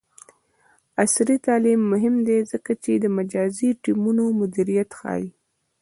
عصري تعلیم مهم دی ځکه چې د مجازی ټیمونو مدیریت ښيي.